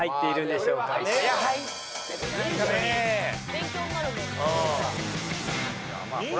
勉強になるもんな。